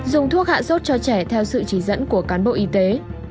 dùng thuốc hạ sốt cho trẻ theo sự chỉ dẫn của cán bộ y tế